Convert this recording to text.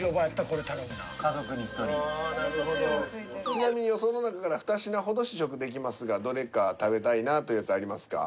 ちなみに予想の中から２品ほど試食できますがどれか食べたいなというやつありますか？